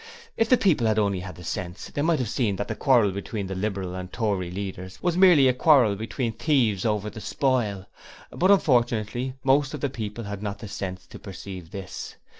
If the people had only had the sense, they might have seen that the quarrel between the Liberal and Tory leaders was merely a quarrel between thieves over the spoil; but unfortunately most of the people had not the sense to perceive this.